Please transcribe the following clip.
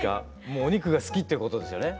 もうお肉が好きってことですよね。